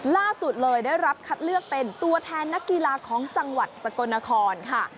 ล่าสุดเลยได้รับคัดเลือกเป็นตัวแทนนักกีฬาของจังหวัดสกลนครค่ะ